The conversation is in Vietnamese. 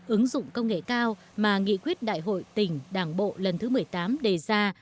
ứng dụng công nghệ cao mà nghị quyết đại hội tỉnh đảng bộ lần thứ một mươi tám đề ra